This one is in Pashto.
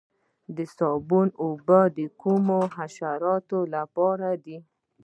د صابون اوبه د کومو حشراتو لپاره دي؟